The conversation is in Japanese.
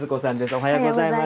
おはようございます。